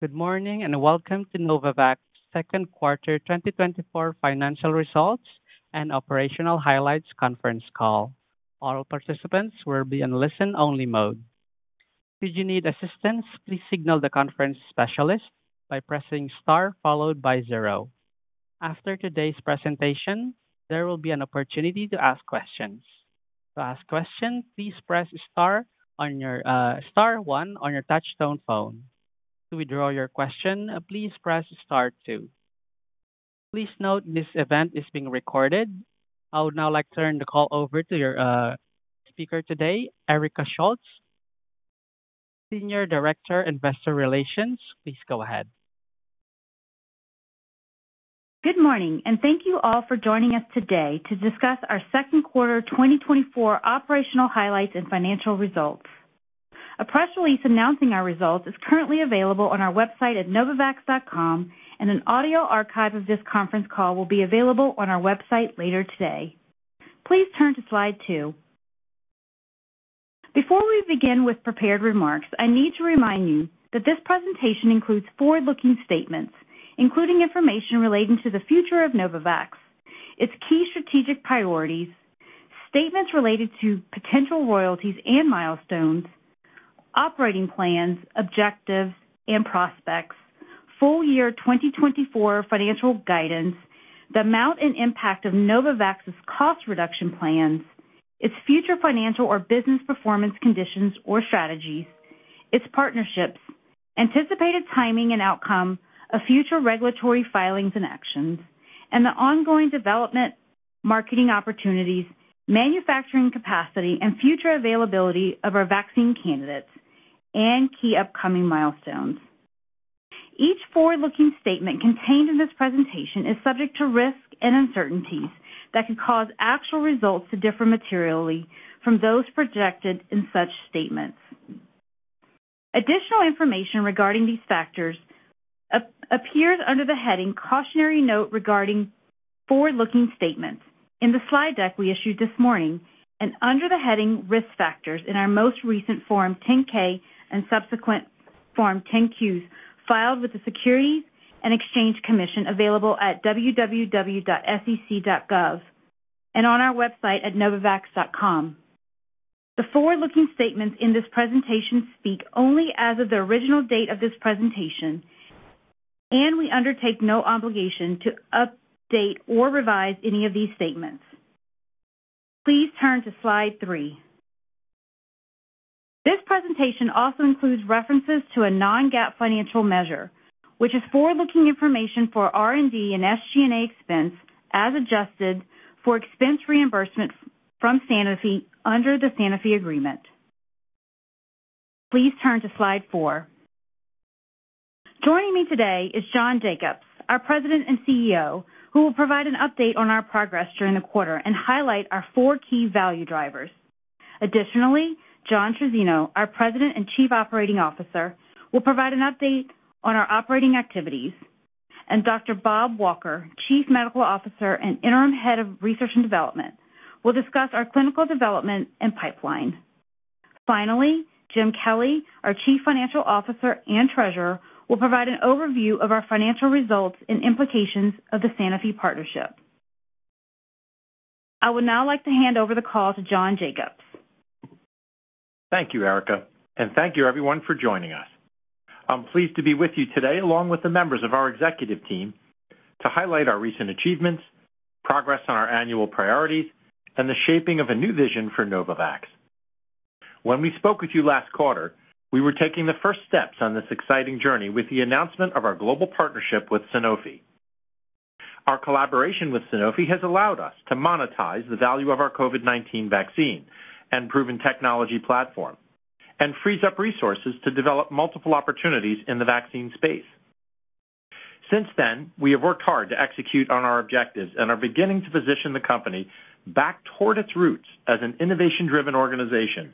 Good morning, and Welcome to Novavax Second Quarter 2024 Financial Results and Operational Highlights Conference Call. All participants will be in listen-only mode. If you need assistance, please signal the conference specialist by pressing star followed by zero. After today's presentation, there will be an opportunity to ask questions. To ask questions, please press star one on your touchtone phone. To withdraw your question, please press star two. Please note, this event is being recorded. I would now like to turn the call over to your speaker today, Erika Schultz, Senior Director, Investor Relations. Please go ahead. Good morning, and thank you all for joining us today to discuss our second quarter 2024 operational highlights and financial results. A press release announcing our results is currently available on our website at Novavax.com, and an audio archive of this conference call will be available on our website later today. Please turn to slide two. Before we begin with prepared remarks, I need to remind you that this presentation includes forward-looking statements, including information relating to the future of Novavax, its key strategic priorities, statements related to potential royalties and milestones, operating plans, objectives and prospects, full year 2024 financial guidance, the amount and impact of Novavax's cost reduction plans, its future financial or business performance conditions or strategies, its partnerships, anticipated timing and outcome of future regulatory filings and actions, and the ongoing development, marketing opportunities, manufacturing capacity, and future availability of our vaccine candidates and key upcoming milestones. Each forward-looking statement contained in this presentation is subject to risks and uncertainties that could cause actual results to differ materially from those projected in such statements. Additional information regarding these factors appears under the heading "Cautionary Note Regarding Forward-Looking Statements" in the slide deck we issued this morning, and under the heading "Risk Factors" in our most recent Form 10-K and subsequent Form 10-Qs filed with the Securities and Exchange Commission, available at www.sec.gov and on our website at novavax.com. The forward-looking statements in this presentation speak only as of the original date of this presentation, and we undertake no obligation to update or revise any of these statements. Please turn to slide three. This presentation also includes references to a non-GAAP financial measure, which is forward-looking information for R&D and SG&A expense, as adjusted for expense reimbursement from Sanofi under the Sanofi agreement. Please turn to slide four. Joining me today is John Jacobs, our President and CEO, who will provide an update on our progress during the quarter and highlight our four key value drivers. Additionally, John Trizzino, our President and Chief Operating Officer, will provide an update on our operating activities, and Dr. Bob Walker, Chief Medical Officer and Interim Head of Research and Development, will discuss our clinical development and pipeline. Finally, Jim Kelly, our Chief Financial Officer and Treasurer, will provide an overview of our financial results and implications of the Sanofi partnership. I would now like to hand over the call to John Jacobs. Thank you, Erika, and thank you everyone for joining us. I'm pleased to be with you today, along with the members of our executive team, to highlight our recent achievements, progress on our annual priorities, and the shaping of a new vision for Novavax. When we spoke with you last quarter, we were taking the first steps on this exciting journey with the announcement of our global partnership with Sanofi. Our collaboration with Sanofi has allowed us to monetize the value of our COVID-19 vaccine and proven technology platform, and frees up resources to develop multiple opportunities in the vaccine space. Since then, we have worked hard to execute on our objectives and are beginning to position the company back toward its roots as an innovation-driven organization,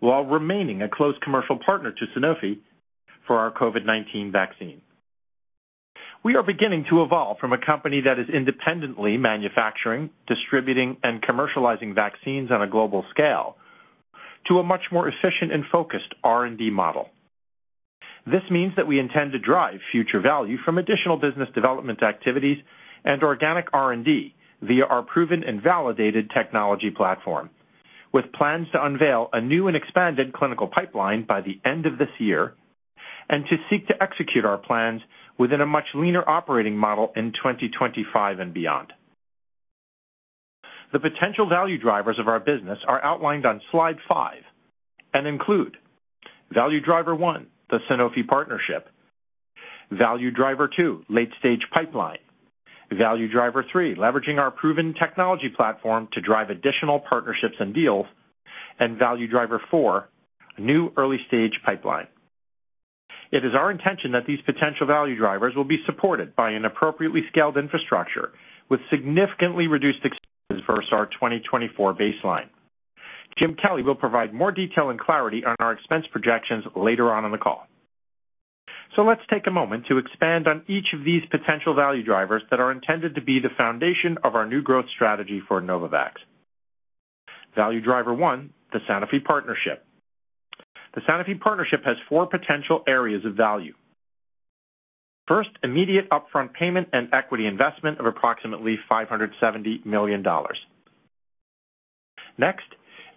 while remaining a close commercial partner to Sanofi for our COVID-19 vaccine. We are beginning to evolve from a company that is independently manufacturing, distributing, and commercializing vaccines on a global scale to a much more efficient and focused R&D model. This means that we intend to drive future value from additional business development activities and organic R&D via our proven and validated technology platform, with plans to unveil a new and expanded clinical pipeline by the end of this year, and to seek to execute our plans within a much leaner operating model in 2025 and beyond. The potential value drivers of our business are outlined on slide five and include value driver one, the Sanofi partnership. Value driver two, late-stage pipeline. Value driver three, leveraging our proven technology platform to drive additional partnerships and deals. And value driver four, new early stage pipeline. It is our intention that these potential value drivers will be supported by an appropriately scaled infrastructure with significantly reduced expenses versus our 2024 baseline. Jim Kelly will provide more detail and clarity on our expense projections later on in the call. So let's take a moment to expand on each of these potential value drivers that are intended to be the foundation of our new growth strategy for Novavax. Value driver one, the Sanofi partnership. The Sanofi partnership has four potential areas of value. First, immediate upfront payment and equity investment of approximately $570 million. Next,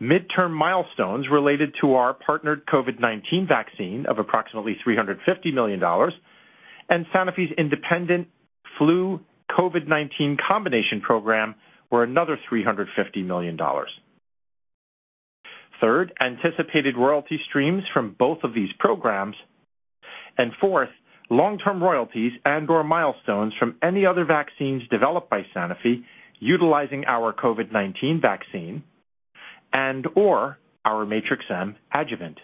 midterm milestones related to our partnered COVID-19 vaccine of approximately $350 million, and Sanofi's independent flu COVID-19 combination program were another $350 million. Third, anticipated royalty streams from both of these programs. Fourth, long-term royalties and/or milestones from any other vaccines developed by Sanofi utilizing our COVID-19 vaccine and/or our Matrix-M adjuvant.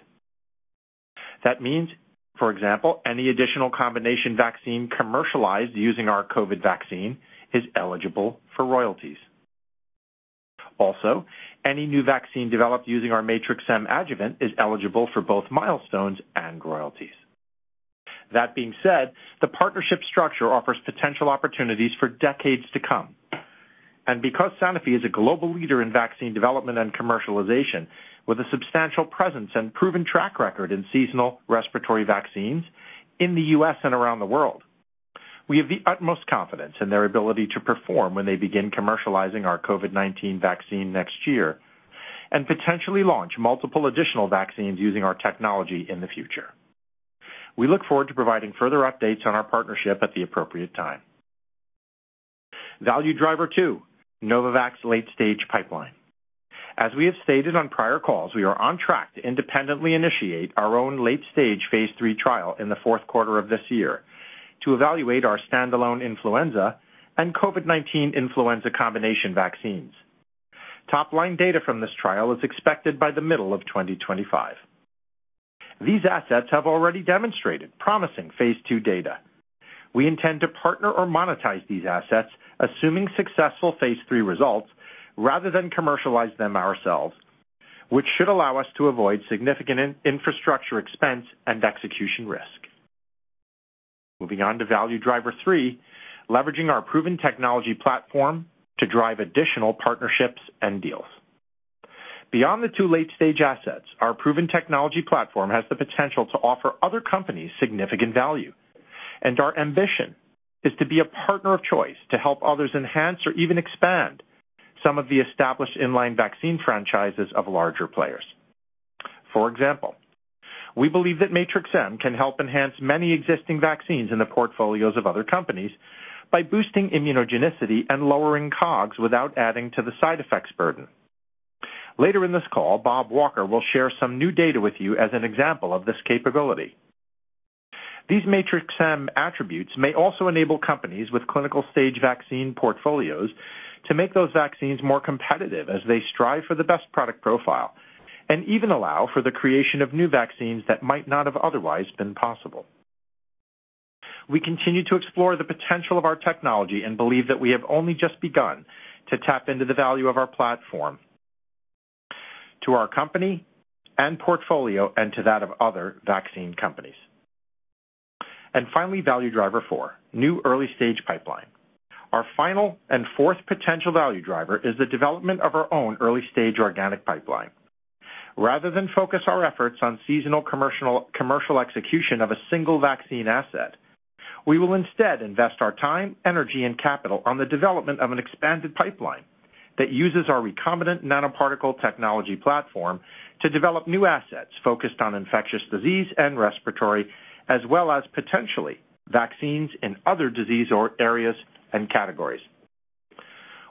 That means, for example, any additional combination vaccine commercialized using our COVID vaccine is eligible for royalties. Also, any new vaccine developed using our Matrix-M adjuvant is eligible for both milestones and royalties. That being said, the partnership structure offers potential opportunities for decades to come. Because Sanofi is a global leader in vaccine development and commercialization, with a substantial presence and proven track record in seasonal respiratory vaccines in the U.S. and around the world, we have the utmost confidence in their ability to perform when they begin commercializing our COVID-19 vaccine next year, and potentially launch multiple additional vaccines using our technology in the future. We look forward to providing further updates on our partnership at the appropriate time. Value driver two, Novavax late-stage pipeline. As we have stated on prior calls, we are on track to independently initiate our own late-stage phase three trial in the fourth quarter of this year to evaluate our standalone influenza and COVID-19 influenza combination vaccines. Top-line data from this trial is expected by the middle of 2025. These assets have already demonstrated promising phase two data. We intend to partner or monetize these assets, assuming successful phase three results, rather than commercialize them ourselves, which should allow us to avoid significant infrastructure expense and execution risk. Moving on to value driver three, leveraging our proven technology platform to drive additional partnerships and deals. Beyond the two late-stage assets, our proven technology platform has the potential to offer other companies significant value, and our ambition is to be a partner of choice to help others enhance or even expand some of the established in-line vaccine franchises of larger players. For example, we believe that Matrix-M can help enhance many existing vaccines in the portfolios of other companies by boosting immunogenicity and lowering COGS without adding to the side effects burden. Later in this call, Bob Walker will share some new data with you as an example of this capability. These Matrix-M attributes may also enable companies with clinical stage vaccine portfolios to make those vaccines more competitive as they strive for the best product profile, and even allow for the creation of new vaccines that might not have otherwise been possible. We continue to explore the potential of our technology and believe that we have only just begun to tap into the value of our platform to our company and portfolio, and to that of other vaccine companies. And finally, value driver four, new early stage pipeline. Our final and fourth potential value driver is the development of our own early stage organic pipeline. Rather than focus our efforts on seasonal commercial execution of a single vaccine asset, we will instead invest our time, energy, and capital on the development of an expanded pipeline that uses our recombinant nanoparticle technology platform to develop new assets focused on infectious disease and respiratory, as well as potentially vaccines in other disease or areas and categories.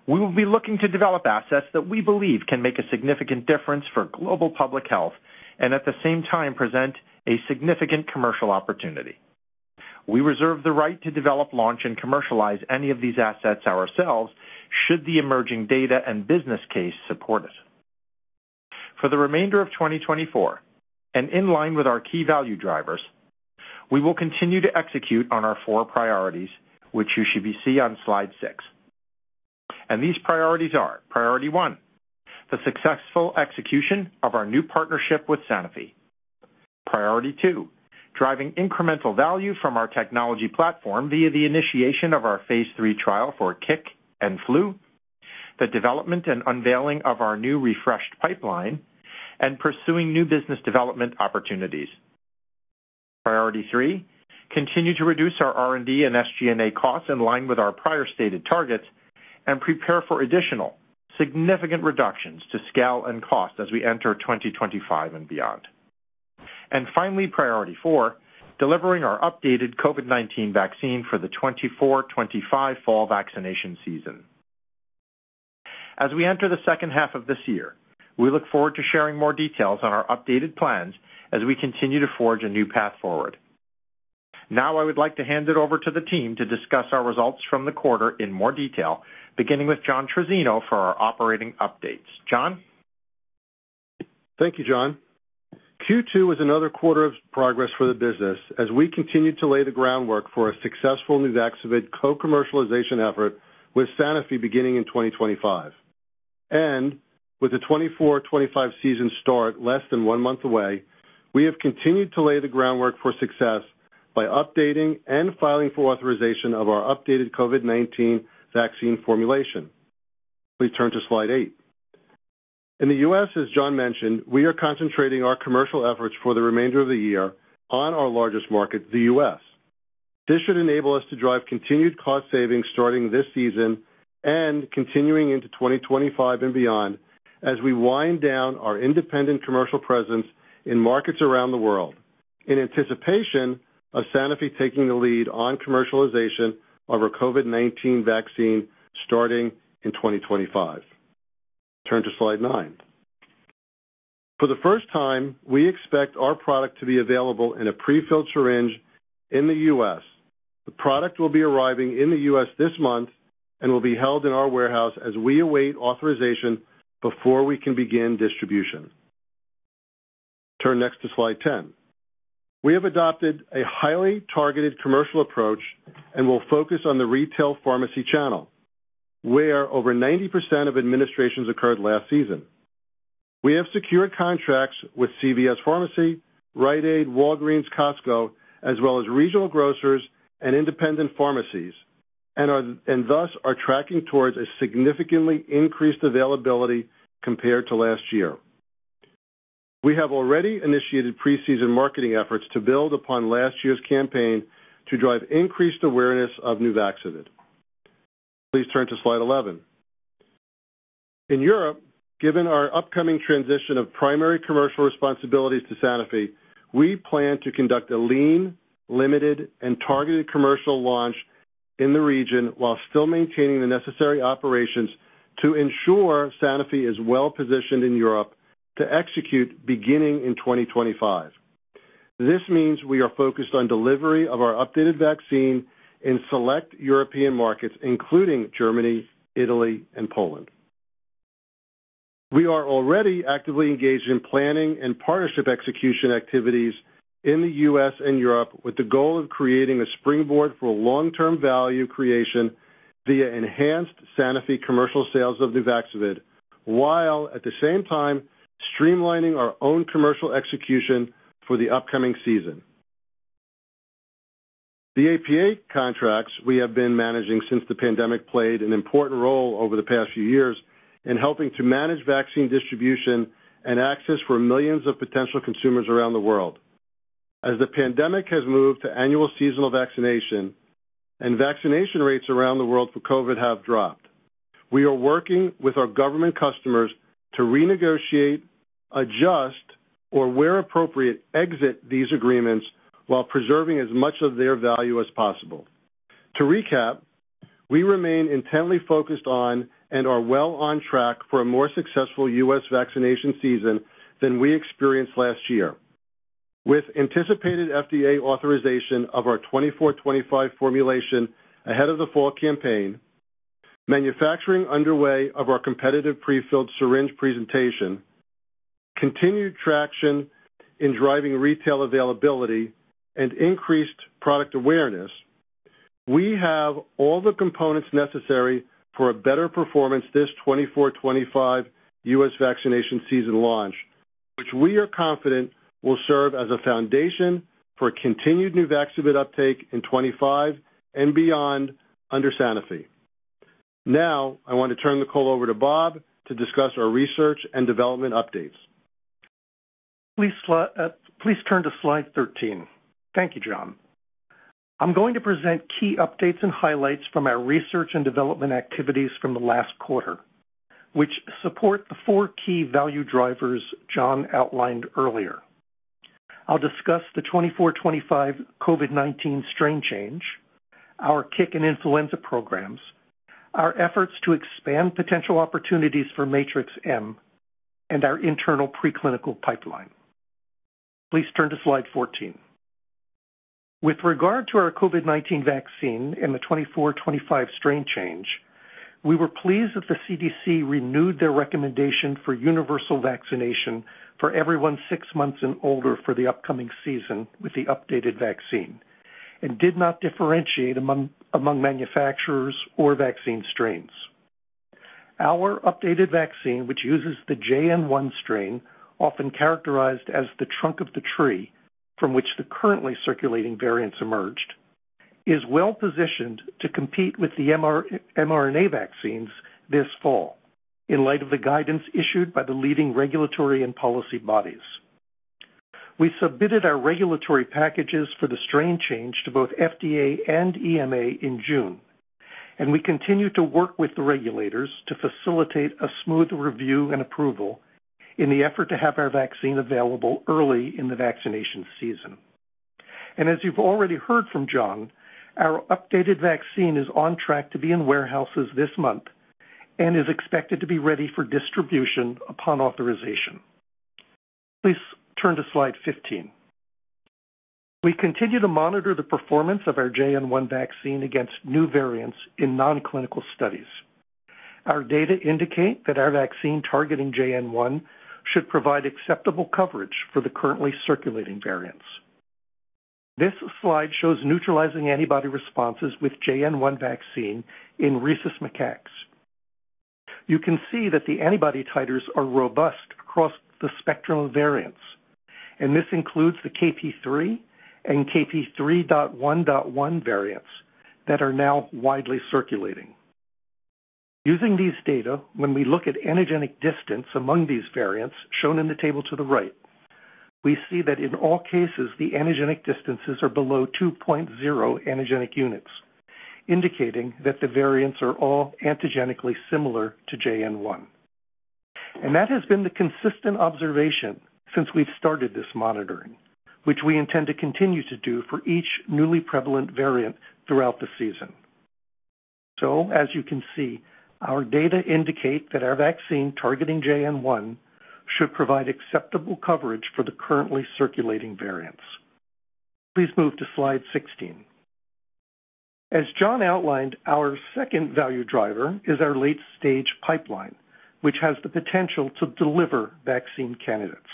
We will be looking to develop assets that we believe can make a significant difference for global public health, and at the same time, present a significant commercial opportunity. We reserve the right to develop, launch, and commercialize any of these assets ourselves should the emerging data and business case support it. For the remainder of 2024, and in line with our key value drivers, we will continue to execute on our four priorities, which you should see on slide six. These priorities are, priority one, the successful execution of our new partnership with Sanofi. Priority two, driving incremental value from our technology platform via the initiation of our phase three trial for CIC and flu, the development and unveiling of our new refreshed pipeline, and pursuing new business development opportunities. Priority three, continue to reduce our R&D and SG&A costs in line with our prior stated targets, and prepare for additional significant reductions to scale and cost as we enter 2025 and beyond. And finally, priority four, delivering our updated COVID-19 vaccine for the 2024-2025 fall vaccination season. As we enter the second half of this year, we look forward to sharing more details on our updated plans as we continue to forge a new path forward. Now, I would like to hand it over to the team to discuss our results from the quarter in more detail, beginning with John Trizzino for our operating updates. John? Thank you, John. Q2 was another quarter of progress for the business as we continued to lay the groundwork for a successful Nuvaxovid co-commercialization effort with Sanofi beginning in 2025. With the 2024-2025 season start less than one month away, we have continued to lay the groundwork for success by updating and filing for authorization of our updated COVID-19 vaccine formulation. Please turn to slide eight. In the U.S., as John mentioned, we are concentrating our commercial efforts for the remainder of the year on our largest market, the U.S. This should enable us to drive continued cost savings starting this season and continuing into 2025 and beyond, as we wind down our independent commercial presence in markets around the world, in anticipation of Sanofi taking the lead on commercialization of our COVID-19 vaccine starting in 2025. Turn to slide nine. For the first time, we expect our product to be available in a prefilled syringe in the U.S. The product will be arriving in the U.S. this month and will be held in our warehouse as we await authorization before we can begin distribution. Turn next to slide 10. We have adopted a highly targeted commercial approach and will focus on the retail pharmacy channel, where over 90% of administrations occurred last season. We have secured contracts with CVS Pharmacy, Rite Aid, Walgreens, Costco, as well as regional grocers and independent pharmacies, and thus are tracking towards a significantly increased availability compared to last year. We have already initiated pre-season marketing efforts to build upon last year's campaign to drive increased awareness of Nuvaxovid. Please turn to slide 11. In Europe, given our upcoming transition of primary commercial responsibilities to Sanofi, we plan to conduct a lean, limited, and targeted commercial launch in the region while still maintaining the necessary operations to ensure Sanofi is well-positioned in Europe to execute beginning in 2025. This means we are focused on delivery of our updated vaccine in select European markets, including Germany, Italy, and Poland. We are already actively engaged in planning and partnership execution activities in the U.S. and Europe, with the goal of creating a springboard for long-term value creation via enhanced Sanofi commercial sales of Nuvaxovid, while at the same time streamlining our own commercial execution for the upcoming season. The APA contracts we have been managing since the pandemic played an important role over the past few years in helping to manage vaccine distribution and access for millions of potential consumers around the world. As the pandemic has moved to annual seasonal vaccination and vaccination rates around the world for COVID have dropped, we are working with our government customers to renegotiate, adjust, or, where appropriate, exit these agreements while preserving as much of their value as possible. To recap, we remain intently focused on and are well on track for a more successful U.S. vaccination season than we experienced last year. With anticipated FDA authorization of our 2024-2025 formulation ahead of the fall campaign, manufacturing underway of our competitive prefilled syringe presentation, continued traction in driving retail availability, and increased product awareness, we have all the components necessary for a better performance this 2024-2025 U.S. vaccination season launch, which we are confident will serve as a foundation for continued Nuvaxovid uptake in 2025 and beyond under Sanofi. Now, I want to turn the call over to Bob to discuss our research and development updates. Please slide, please turn to slide 13. Thank you, John. I'm going to present key updates and highlights from our research and development activities from the last quarter, which support the four key value drivers John outlined earlier. I'll discuss the 2024-2025 COVID-19 strain change, our kick and influenza programs, our efforts to expand potential opportunities for Matrix-M, and our internal preclinical pipeline. Please turn to slide 14. With regard to our COVID-19 vaccine and the 2024-2025 strain change, we were pleased that the CDC renewed their recommendation for universal vaccination for everyone six months and older for the upcoming season with the updated vaccine and did not differentiate among manufacturers or vaccine strains. Our updated vaccine, which uses the JN.1 strain, often characterized as the trunk of the tree from which the currently circulating variants emerged, is well-positioned to compete with the mRNA vaccines this fall in light of the guidance issued by the leading regulatory and policy bodies. We submitted our regulatory packages for the strain change to both FDA and EMA in June, and we continue to work with the regulators to facilitate a smooth review and approval in the effort to have our vaccine available early in the vaccination season. As you've already heard from John, our updated vaccine is on track to be in warehouses this month and is expected to be ready for distribution upon authorization. Please turn to slide 15. We continue to monitor the performance of our JN.1 vaccine against new variants in non-clinical studies. Our data indicate that our vaccine targeting JN.1 should provide acceptable coverage for the currently circulating variants. This slide shows neutralizing antibody responses with JN.1 vaccine in rhesus macaques. You can see that the antibody titers are robust across the spectrum of variants, and this includes the KP.3 and KP.3.1.1 variants that are now widely circulating. Using these data, when we look at antigenic distance among these variants, shown in the table to the right, we see that in all cases, the antigenic distances are below 2.0 antigenic units, indicating that the variants are all antigenically similar to JN.1. And that has been the consistent observation since we've started this monitoring, which we intend to continue to do for each newly prevalent variant throughout the season. As you can see, our data indicate that our vaccine targeting JN.1 should provide acceptable coverage for the currently circulating variants. Please move to slide 16. As John outlined, our second value driver is our late-stage pipeline, which has the potential to deliver vaccine candidates.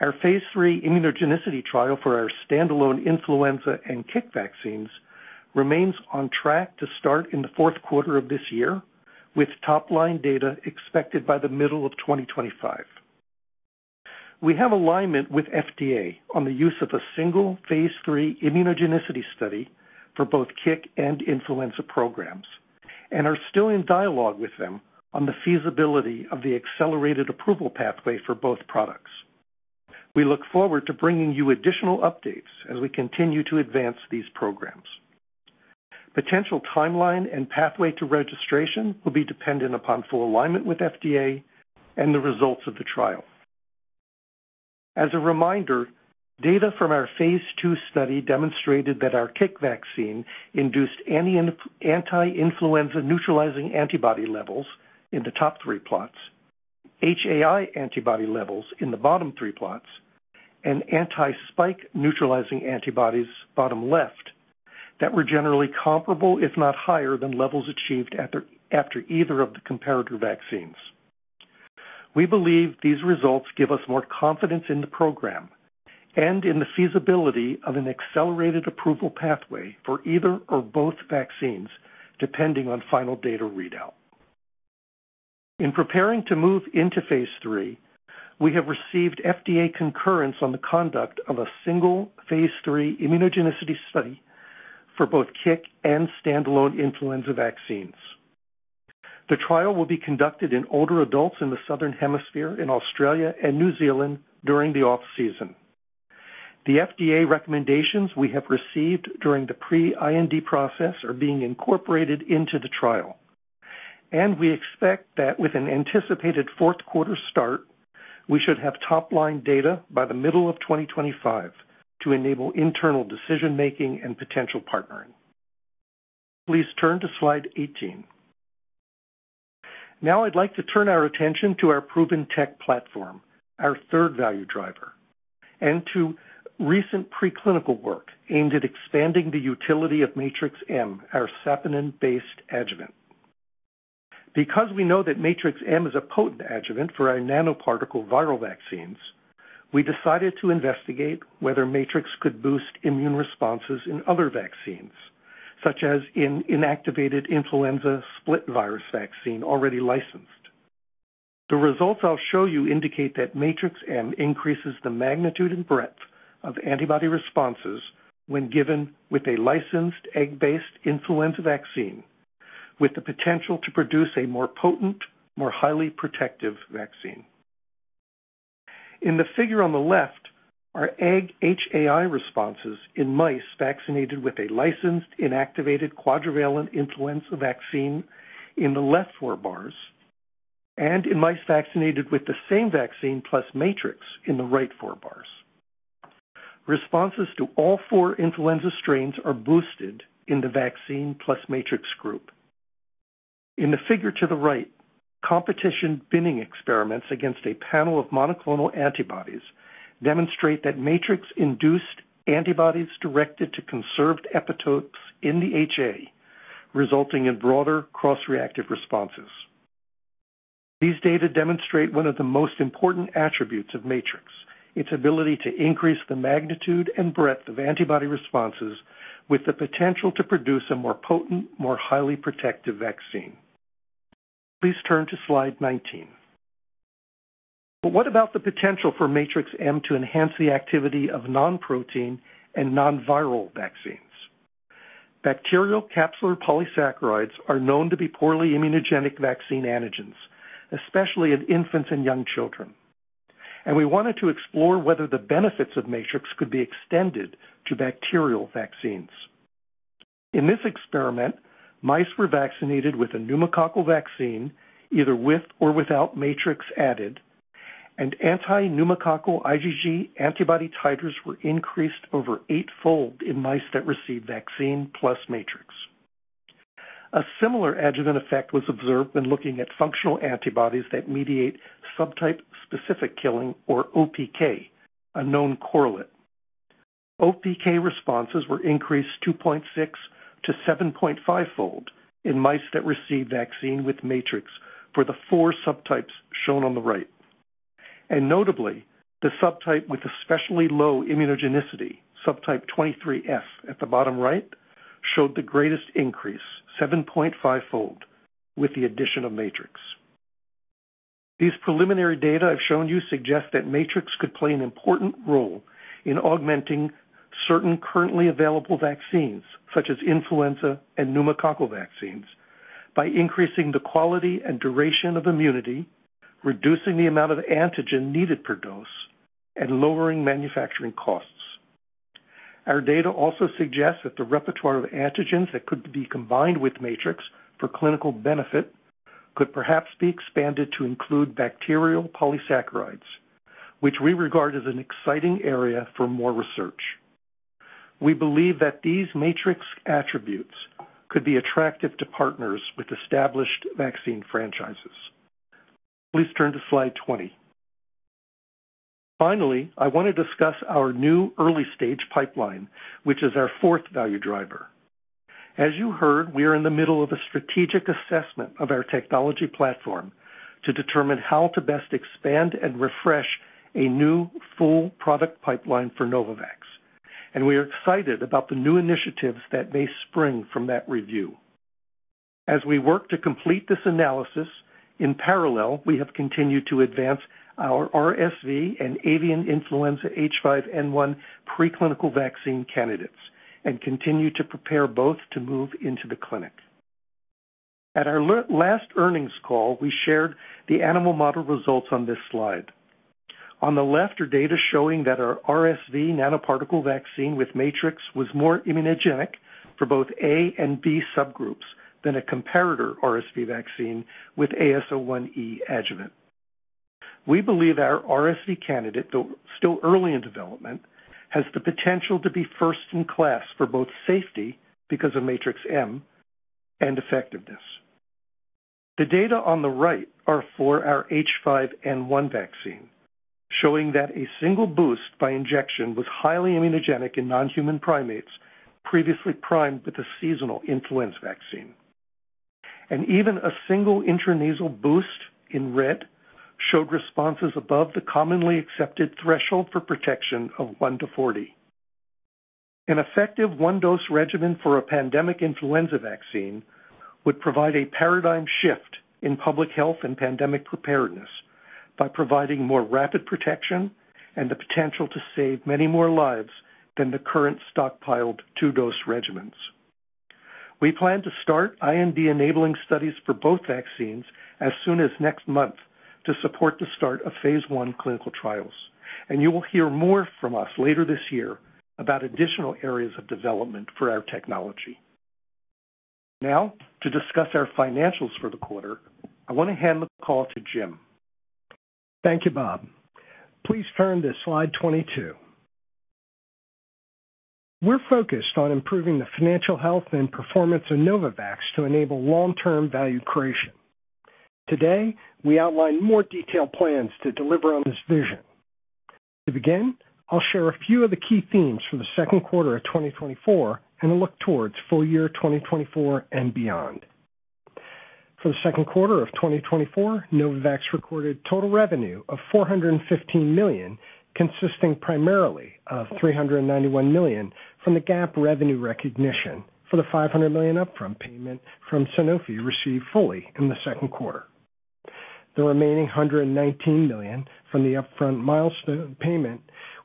Our phase three immunogenicity trial for our standalone influenza and CIC vaccines remains on track to start in the fourth quarter of this year, with top-line data expected by the middle of 2025. We have alignment with FDA on the use of a single phase three immunogenicity study for both Kick and influenza programs, and are still in dialogue with them on the feasibility of the accelerated approval pathway for both products. We look forward to bringing you additional updates as we continue to advance these programs. Potential timeline and pathway to registration will be dependent upon full alignment with FDA and the results of the trial. As a reminder, data from our phase two study demonstrated that our CIC vaccine induced anti-influenza-neutralizing antibody levels in the top three plots, HAI antibody levels in the bottom three plots, and anti-spike neutralizing antibodies, bottom left, that were generally comparable, if not higher, than levels achieved after either of the comparator vaccines. We believe these results give us more confidence in the program and in the feasibility of an accelerated approval pathway for either or both vaccines, depending on final data readout. In preparing to move into phase three, we have received FDA concurrence on the conduct of a single phase three immunogenicity study for both Kick and standalone influenza vaccines. The trial will be conducted in older adults in the Southern Hemisphere, in Australia and New Zealand during the off-season. The FDA recommendations we have received during the pre-IND process are being incorporated into the trial, and we expect that with an anticipated fourth quarter start, we should have top-line data by the middle of 2025 to enable internal decision-making and potential partnering. Please turn to slide 18. Now I'd like to turn our attention to our proven tech platform, our third value driver, and to recent preclinical work aimed at expanding the utility of Matrix-M, our saponin-based adjuvant. Because we know that Matrix-M is a potent adjuvant for our nanoparticle viral vaccines, we decided to investigate whether Matrix could boost immune responses in other vaccines, such as in inactivated influenza split virus vaccine, already licensed. The results I'll show you indicate that Matrix-M increases the magnitude and breadth of antibody responses when given with a licensed egg-based influenza vaccine, with the potential to produce a more potent, more highly protective vaccine. In the figure on the left are egg HAI responses in mice vaccinated with a licensed, inactivated, quadrivalent influenza vaccine in the left four bars, and in mice vaccinated with the same vaccine plus Matrix in the right four bars. Responses to all four influenza strains are boosted in the vaccine plus Matrix group. In the figure to the right, competition binning experiments against a panel of monoclonal antibodies demonstrate that Matrix-induced antibodies directed to conserved epitopes in the HA, resulting in broader cross-reactive responses. These data demonstrate one of the most important attributes of Matrix, its ability to increase the magnitude and breadth of antibody responses with the potential to produce a more potent, more highly protective vaccine. Please turn to slide 19. But what about the potential for Matrix-M to enhance the activity of non-protein and non-viral vaccines? Bacterial capsular polysaccharides are known to be poorly immunogenic vaccine antigens, especially in infants and young children, and we wanted to explore whether the benefits of Matrix could be extended to bacterial vaccines. In this experiment, mice were vaccinated with a pneumococcal vaccine, either with or without Matrix added, and anti-pneumococcal IgG antibody titers were increased over eight-fold in mice that received vaccine plus Matrix. A similar adjuvant effect was observed when looking at functional antibodies that mediate subtype-specific killing, or OPK, a known correlate. OPK responses were increased 2.6-7.5-fold in mice that received vaccine with Matrix for the four subtypes shown on the right. Notably, the subtype with especially low immunogenicity, subtype 23F at the bottom right, showed the greatest increase, 7.5-fold, with the addition of Matrix. These preliminary data I've shown you suggest that Matrix could play an important role in augmenting certain currently available vaccines, such as influenza and pneumococcal vaccines, by increasing the quality and duration of immunity, reducing the amount of antigen needed per dose, and lowering manufacturing costs. Our data also suggests that the repertoire of antigens that could be combined with Matrix for clinical benefit could perhaps be expanded to include bacterial polysaccharides, which we regard as an exciting area for more research. We believe that these Matrix attributes could be attractive to partners with established vaccine franchises. Please turn to slide 20. Finally, I want to discuss our new early-stage pipeline, which is our fourth value driver. As you heard, we are in the middle of a strategic assessment of our technology platform to determine how to best expand and refresh a new full product pipeline for Novavax, and we are excited about the new initiatives that may spring from that review. As we work to complete this analysis, in parallel, we have continued to advance our RSV and avian influenza H5N1 preclinical vaccine candidates and continue to prepare both to move into the clinic. At our last earnings call, we shared the animal model results on this slide. On the left are data showing that our RSV nanoparticle vaccine with Matrix was more immunogenic for both A and B subgroups than a comparator RSV vaccine with AS01E adjuvant. We believe our RSV candidate, though still early in development, has the potential to be first in class for both safety, because of Matrix-M, and effectiveness. The data on the right are for our H5N1 vaccine, showing that a single boost by injection was highly immunogenic in non-human primates previously primed with a seasonal influenza vaccine. Even a single intranasal boost, in red, showed responses above the commonly accepted threshold for protection of 1:40. An effective one-dose regimen for a pandemic influenza vaccine would provide a paradigm shift in public health and pandemic preparedness by providing more rapid protection and the potential to save many more lives than the current stockpiled two-dose regimens. We plan to start IND-enabling studies for both vaccines as soon as next month to support the start of phase 1 clinical trials, and you will hear more from us later this year about additional areas of development for our technology. Now, to discuss our financials for the quarter, I want to hand the call to Jim. Thank you, Bob. Please turn to slide 22. We're focused on improving the financial health and performance of Novavax to enable long-term value creation. Today, we outlined more detailed plans to deliver on this vision. To begin, I'll share a few of the key themes for the second quarter of 2024 and a look towards full year 2024 and beyond. For the second quarter of 2024, Novavax recorded total revenue of $415 million, consisting primarily of $391 million from the GAAP revenue recognition for the $500 million upfront payment from Sanofi, received fully in the second quarter. The remaining $119 million from the upfront milestone payment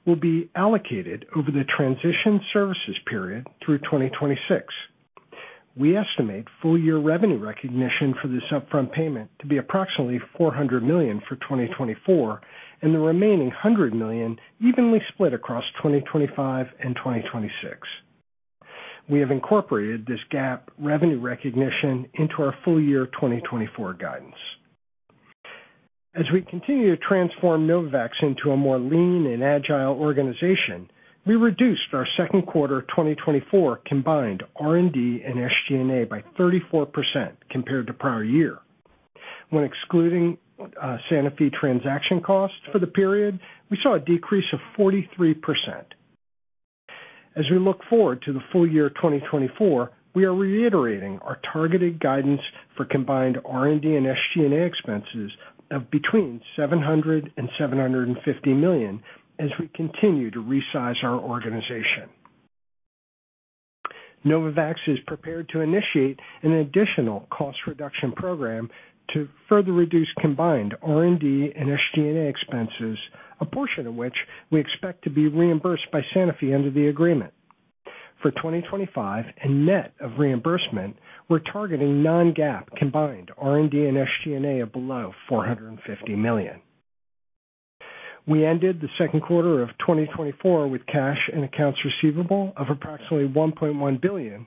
will be allocated over the transition services period through 2026. We estimate full-year revenue recognition for this upfront payment to be approximately $400 million for 2024, and the remaining $100 million evenly split across 2025 and 2026. We have incorporated this GAAP revenue recognition into our full year 2024 guidance. As we continue to transform Novavax into a more lean and agile organization, we reduced our second quarter 2024 combined R&D and SG&A by 34% compared to prior year. When excluding, Sanofi transaction costs for the period, we saw a decrease of 43%. As we look forward to the full year 2024, we are reiterating our targeted guidance for combined R&D and SG&A expenses of between $700 million-$750 million as we continue to resize our organization. Novavax is prepared to initiate an additional cost reduction program to further reduce combined R&D and SG&A expenses, a portion of which we expect to be reimbursed by Sanofi under the agreement. For 2025 and net of reimbursement, we're targeting non-GAAP combined R&D and SG&A of below $450 million. We ended the second quarter of 2024 with cash and accounts receivable of approximately $1.1 billion.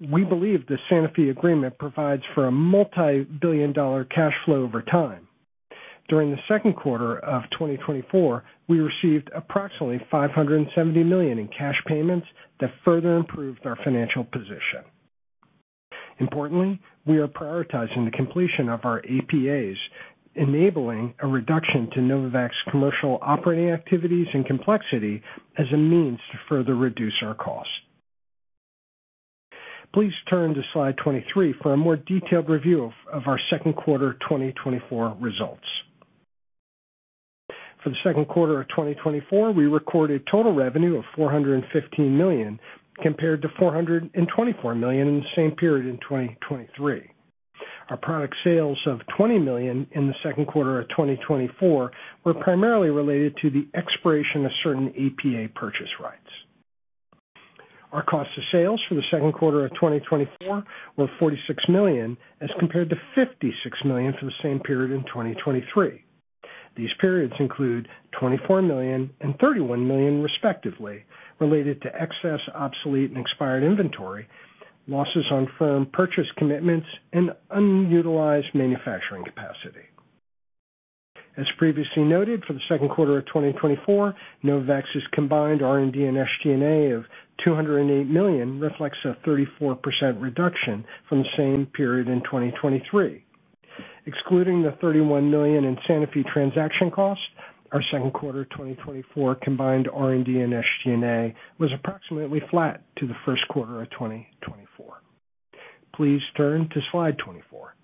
We believe the Sanofi agreement provides for a multi-billion-dollar cash flow over time. During the second quarter of 2024, we received approximately $570 million in cash payments that further improved our financial position. Importantly, we are prioritizing the completion of our APAs, enabling a reduction to Novavax commercial operating activities and complexity as a means to further reduce our costs. Please turn to slide 23 for a more detailed review of our second quarter 2024 results. For the second quarter of 2024, we recorded total revenue of $415 million, compared to $424 million in the same period in 2023. Our product sales of $20 million in the second quarter of 2024 were primarily related to the expiration of certain APA purchase rights. Our cost of sales for the second quarter of 2024 were $46 million, as compared to $56 million for the same period in 2023. These periods include $24 million and $31 million, respectively, related to excess, obsolete, and expired inventory, losses on firm purchase commitments, and unutilized manufacturing capacity. As previously noted, for the second quarter of 2024, Novavax's combined R&D and SG&A of $208 million reflects a 34% reduction from the same period in 2023. Excluding the $31 million in Sanofi transaction costs, our second quarter 2024 combined R&D and SG&A was approximately flat to the first quarter of 2024. Please turn to slide 24.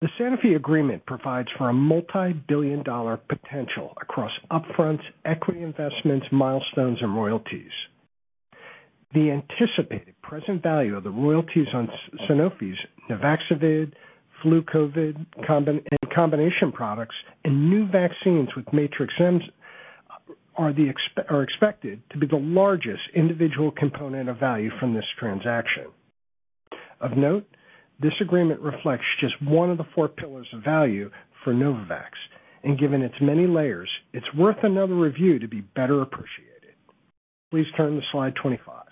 The Sanofi agreement provides for a multibillion-dollar potential across upfronts, equity investments, milestones, and royalties. The anticipated present value of the royalties on Sanofi's Nuvaxovid, Flu-COVID combination products and new vaccines with Matrix-M, are expected to be the largest individual component of value from this transaction. Of note, this agreement reflects just one of the four pillars of value for Novavax, and given its many layers, it's worth another review to be better appreciated. Please turn to slide 25.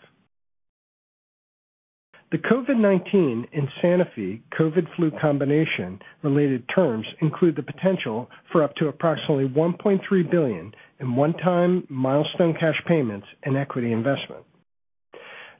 The COVID-19 and Sanofi COVID flu combination related terms include the potential for up to approximately $1.3 billion in one-time milestone cash payments and equity investment.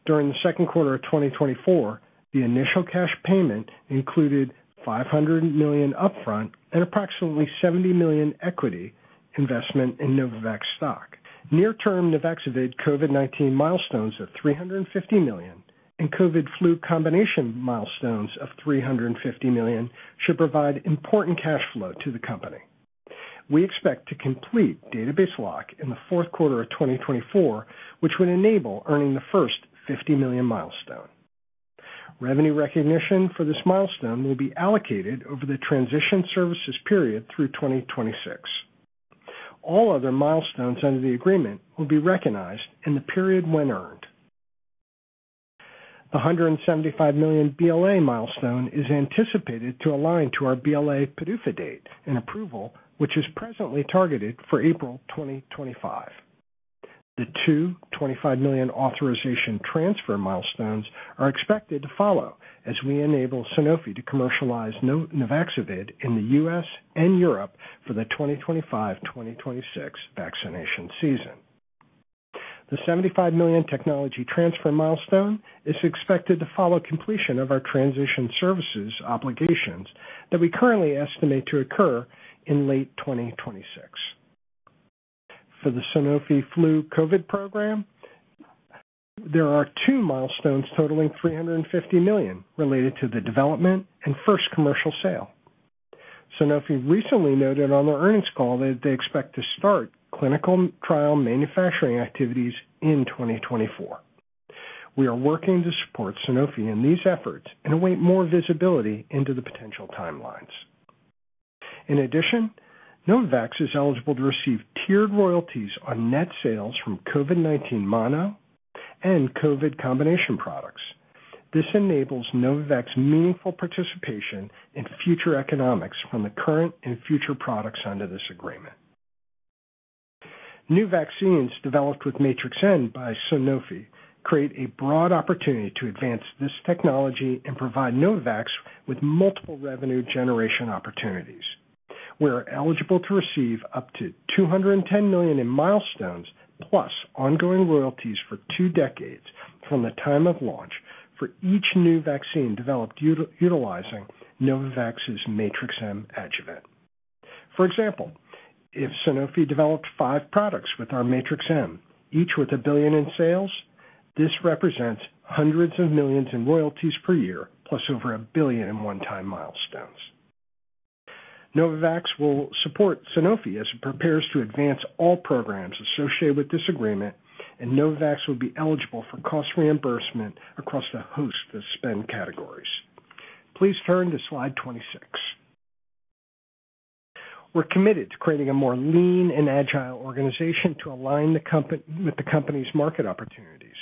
During the second quarter of 2024, the initial cash payment included $500 million upfront and approximately $70 million equity investment in Novavax stock. Near term, Nuvaxovid COVID-19 milestones of $350 million and COVID flu combination milestones of $350 million should provide important cash flow to the company. We expect to complete database lock in the fourth quarter of 2024, which would enable earning the first $50 million milestone. Revenue recognition for this milestone will be allocated over the transition services period through 2026. All other milestones under the agreement will be recognized in the period when earned. $175 million BLA milestone is anticipated to align to our BLA PDUFA date and approval, which is presently targeted for April 2025. The $225 million authorization transfer milestones are expected to follow as we enable Sanofi to commercialize Nuvaxovid in the US and Europe for the 2025-2026 vaccination season. The $75 million technology transfer milestone is expected to follow completion of our transition services obligations that we currently estimate to occur in late 2026. For the Sanofi Flu COVID program, there are two milestones totaling $350 million related to the development and first commercial sale. Sanofi recently noted on their earnings call that they expect to start clinical trial manufacturing activities in 2024. We are working to support Sanofi in these efforts and await more visibility into the potential timelines. In addition, Novavax is eligible to receive tiered royalties on net sales from COVID-19 mono and COVID combination products. This enables Novavax meaningful participation in future economics from the current and future products under this agreement. New vaccines developed with Matrix-M by Sanofi create a broad opportunity to advance this technology and provide Novavax with multiple revenue generation opportunities. We are eligible to receive up to $210 million in milestones, plus ongoing royalties for two decades from the time of launch for each new vaccine developed utilizing Novavax's Matrix-M adjuvant. For example, if Sanofi developed five products with our Matrix-M, each with $1 billion in sales, this represents hundreds of millions in royalties per year, plus over $1 billion in one-time milestones. Novavax will support Sanofi as it prepares to advance all programs associated with this agreement, and Novavax will be eligible for cost reimbursement across a host of spend categories. Please turn to slide 26. We're committed to creating a more lean and agile organization to align the company with the company's market opportunities.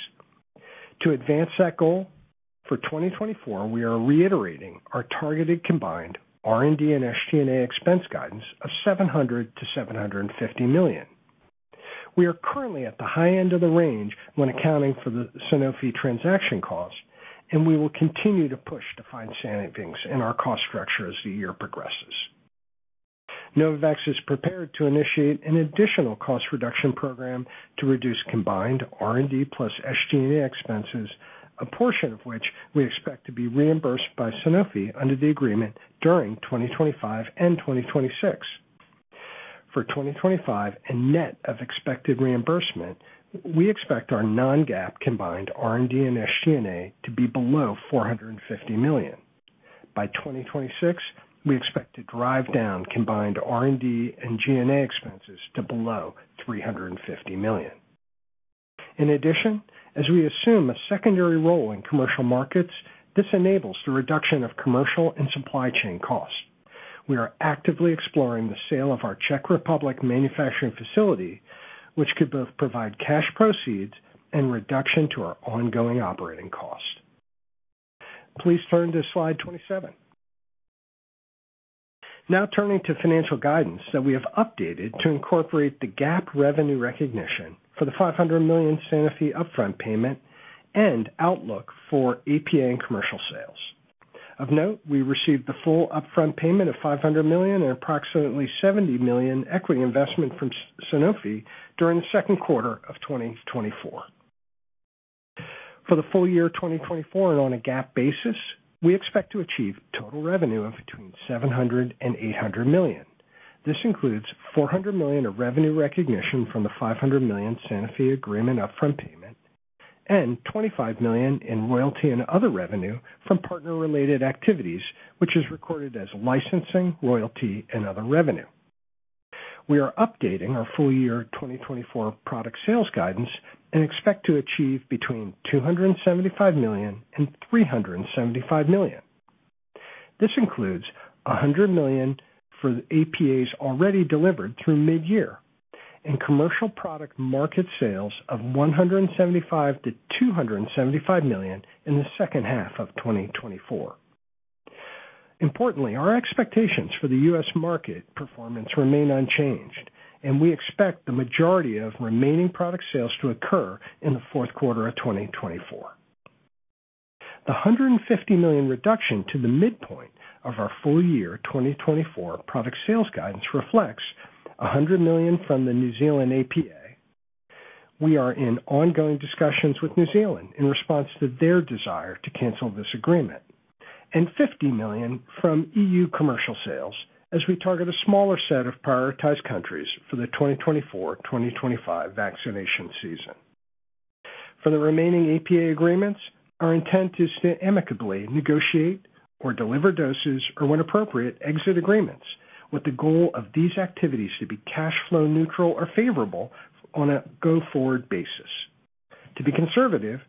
To advance that goal, for 2024, we are reiterating our targeted combined R&D and SG&A expense guidance of $700 million-$750 million. We are currently at the high end of the range when accounting for the Sanofi transaction costs, and we will continue to push to find savings in our cost structure as the year progresses. Novavax is prepared to initiate an additional cost reduction program to reduce combined R&D plus SG&A expenses, a portion of which we expect to be reimbursed by Sanofi under the agreement during 2025 and 2026. For 2025 and net of expected reimbursement, we expect our non-GAAP combined R&D and SG&A to be below $450 million. By 2026, we expect to drive down combined R&D and G&A expenses to below $350 million. In addition, as we assume a secondary role in commercial markets, this enables the reduction of commercial and supply chain costs. We are actively exploring the sale of our Czech Republic manufacturing facility, which could both provide cash proceeds and reduction to our ongoing operating cost. Please turn to slide 27. Now turning to financial guidance that we have updated to incorporate the GAAP revenue recognition for the $500 million Sanofi upfront payment and outlook for APA and commercial sales. Of note, we received the full upfront payment of $500 million and approximately $70 million equity investment from Sanofi during the second quarter of 2024. For the full year 2024, and on a GAAP basis, we expect to achieve total revenue of between $700 million and $800 million. This includes $400 million of revenue recognition from the $500 million Sanofi agreement upfront payment, and $25 million in royalty and other revenue from partner-related activities, which is recorded as licensing, royalty, and other revenue. We are updating our full year 2024 product sales guidance and expect to achieve between $275 million and $375 million. This includes $100 million for the APAs already delivered through midyear and commercial product market sales of $175 million-$275 million in the second half of 2024. Importantly, our expectations for the U.S. market performance remain unchanged, and we expect the majority of remaining product sales to occur in the fourth quarter of 2024. The $150 million reduction to the midpoint of our full year 2024 product sales guidance reflects $100 million from the New Zealand APA. We are in ongoing discussions with New Zealand in response to their desire to cancel this agreement, and $50 million from E.U. commercial sales as we target a smaller set of prioritized countries for the 2024-2025 vaccination season. For the remaining APA agreements, our intent is to amicably negotiate or deliver doses or, when appropriate, exit agreements, with the goal of these activities to be cash flow neutral or favorable on a go-forward basis. To be conservative,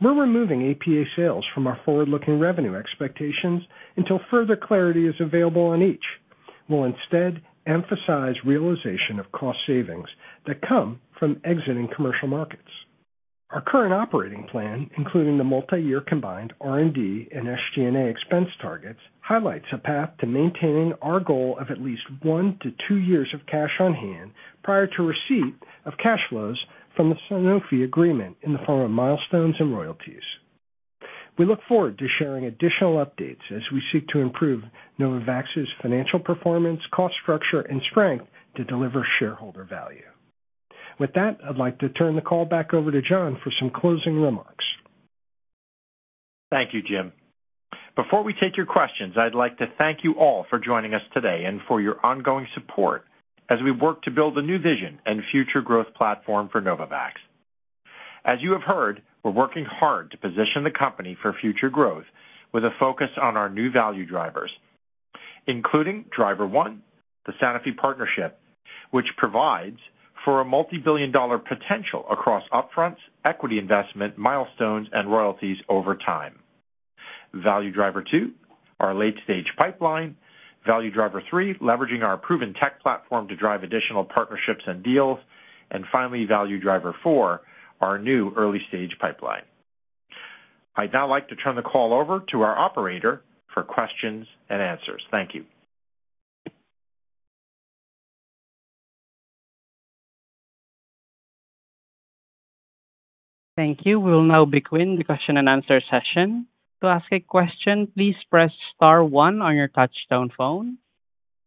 we're removing APA sales from our forward-looking revenue expectations until further clarity is available on each. We'll instead emphasize realization of cost savings that come from exiting commercial markets. Our current operating plan, including the multi-year combined R&D and SG&A expense targets, highlights a path to maintaining our goal of at least one to two years of cash on hand prior to receipt of cash flows from the Sanofi agreement in the form of milestones and royalties. We look forward to sharing additional updates as we seek to improve Novavax's financial performance, cost structure, and strength to deliver shareholder value. With that, I'd like to turn the call back over to John for some closing remarks. Thank you, Jim. Before we take your questions, I'd like to thank you all for joining us today and for your ongoing support as we work to build a new vision and future growth platform for Novavax. As you have heard, we're working hard to position the company for future growth with a focus on our new value drivers, including driver one, the Sanofi partnership, which provides for a multibillion-dollar potential across upfronts, equity investment, milestones, and royalties over time. Value driver two, our late-stage pipeline. Value driver three, leveraging our proven tech platform to drive additional partnerships and deals. And finally, value driver four, our new early-stage pipeline. I'd now like to turn the call over to our operator for questions and answers. Thank you. Thank you. We'll now begin the question and answer session. To ask a question, please press star one on your touchtone phone.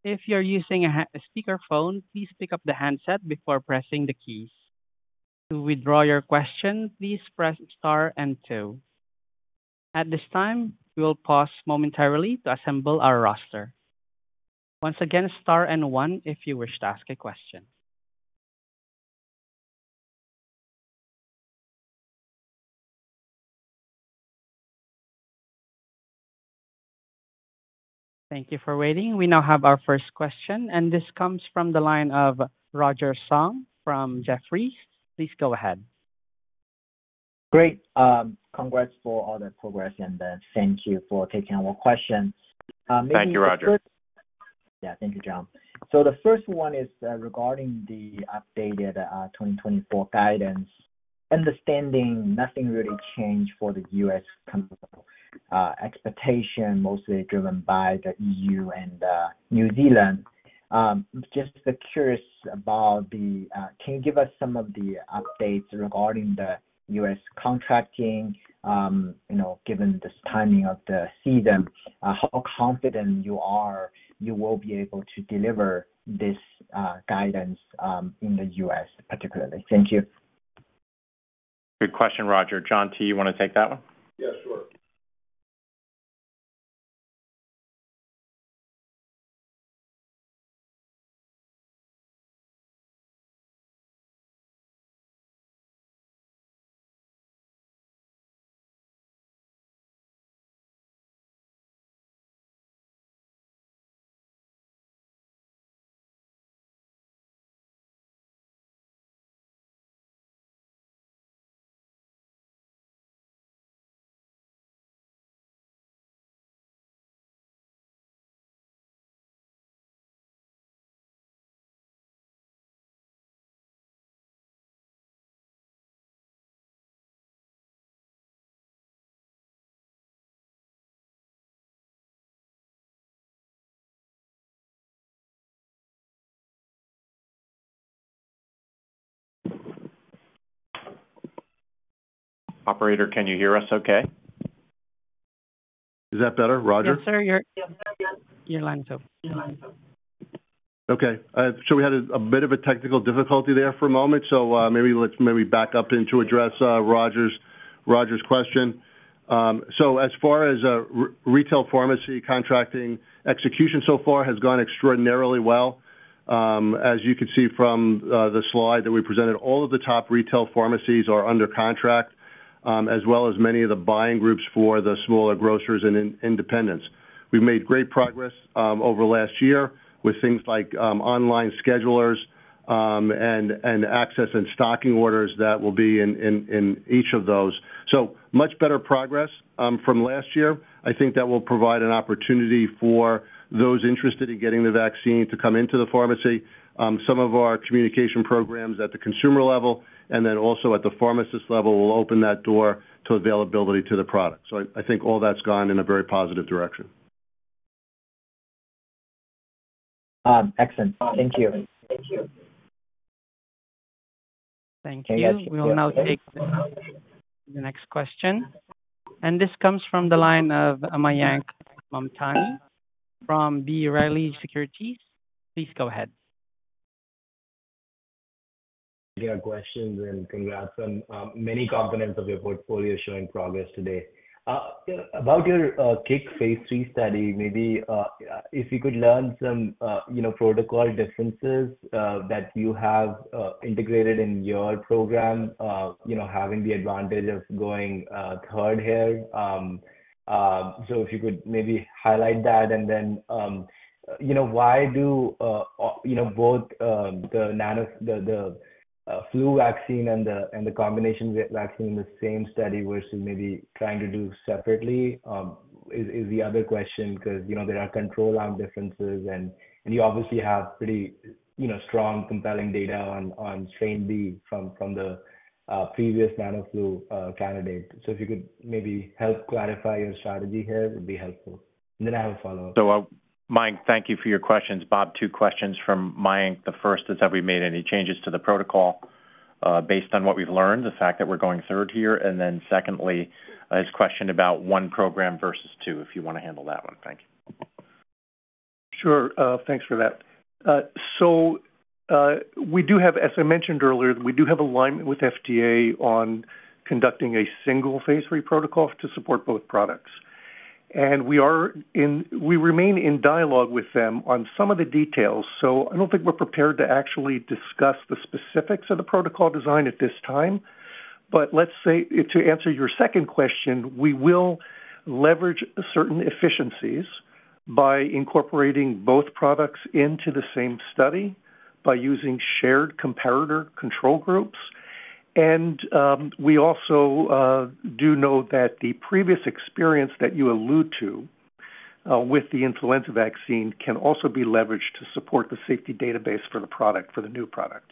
If you're using a speakerphone, please pick up the handset before pressing the keys. To withdraw your question, please press star and two. At this time, we will pause momentarily to assemble our roster. Once again, star and one if you wish to ask a question. Thank you for waiting. We now have our first question, and this comes from the line of Roger Song from Jefferies. Please go ahead. Great. Congrats for all the progress, and thank you for taking our questions. Thank you, Roger. Yeah. Thank you, John. So the first one is regarding the updated 2024 guidance. Understanding nothing really changed for the US expectation, mostly driven by the EU and New Zealand. Just curious about the... Can you give us some of the updates regarding the US contracting? You know, given this timing of the season, how confident you are you will be able to deliver this guidance in the US particularly? Thank you. Good question, Roger. John T, you want to take that one? Yes, sure. Operator, can you hear us okay? Is that better, Roger? Yes, sir, your line's open. Your line's open. Okay. So we had a bit of a technical difficulty there for a moment, so maybe let's back up and to address Roger's question. So as far as retail pharmacy contracting, execution so far has gone extraordinarily well. As you can see from the slide that we presented, all of the top retail pharmacies are under contract, as well as many of the buying groups for the smaller grocers and independents. We've made great progress over last year with things like online schedulers, and access and stocking orders that will be in each of those. So much better progress from last year. I think that will provide an opportunity for those interested in getting the vaccine to come into the pharmacy. Some of our communication programs at the consumer level and then also at the pharmacist level will open that door to availability to the product. So I think all that's gone in a very positive direction. Excellent. Thank you. Thank you. We'll now take the next question, and this comes from the line of Mayank Mamtani from B. Riley Securities. Please go ahead. We have questions, and congrats on many components of your portfolio showing progress today. About your Kick phase 3 study, maybe if you could learn some, you know, protocol differences that you have integrated in your program, you know, having the advantage of going third here. So if you could maybe highlight that, and then, you know, why do you know both the NanoFlu, the flu vaccine and the combination vaccine in the same study versus maybe trying to do separately, is the other question, 'cause, you know, there are control arm differences, and you obviously have pretty, you know, strong, compelling data on strain B from the previous NanoFlu candidate. If you could maybe help clarify your strategy here, it would be helpful. Then I have a follow-up. So, Mayank, thank you for your questions. Bob, two questions from Mayank. The first is, have we made any changes to the protocol, based on what we've learned, the fact that we're going third here? And then secondly, his question about one program versus two, if you wanna handle that one. Thank you. Sure. Thanks for that. So, we do have alignment with FDA on conducting a single phase three protocol to support both products. We remain in dialogue with them on some of the details, so I don't think we're prepared to actually discuss the specifics of the protocol design at this time. But let's say, to answer your second question, we will leverage certain efficiencies by incorporating both products into the same study, by using shared comparator control groups. We also do note that the previous experience that you allude to with the influenza vaccine can also be leveraged to support the safety database for the product, for the new product.